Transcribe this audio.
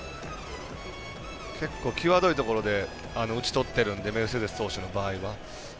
結構、際どいところで打ち取ってるんでメルセデス投手の場合は。